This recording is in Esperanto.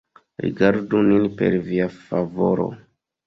Rigardu nin per Via favoro.